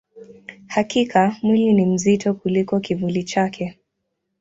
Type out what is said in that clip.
Hakika, mwili ni mzito kuliko kivuli chake.